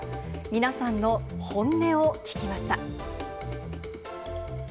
皆さんの本音を聞きました。